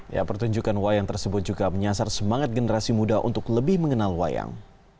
ya pertunjukan wayang tersebut juga menyasar semangat generasi muda untuk lebih mengenal wayang